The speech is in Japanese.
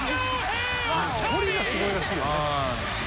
距離がすごいらしいよね。